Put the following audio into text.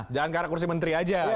jangan kara kursi menteri aja